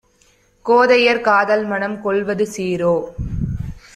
கோதையர் காதல்மணம் கொள்வது சீரோ?